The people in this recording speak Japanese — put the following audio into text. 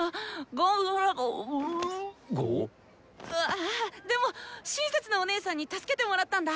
ああでも親切なお姉さんに助けてもらったんだ！